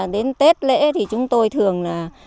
đến tết lễ thì chúng tôi thường